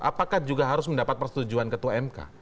apakah juga harus mendapat persetujuan ketua mk